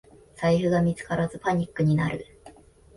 財布が見つからずパニックになる